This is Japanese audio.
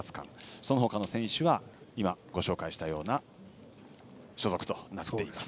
そのほかの選手は今ご紹介したような所属となっています。